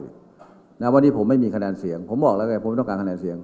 วันนี้ผมไม่มีคะแนนเสียงผมบอกแล้วไงผมไม่ต้องการคะแนนเสียง